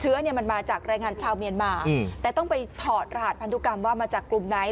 เชื้อเนี่ยมันมาจากแรงงานชาวเมียนมาแต่ต้องไปถอดรหัสพันธุกรรมว่ามาจากกลุ่มไหน